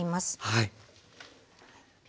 はい。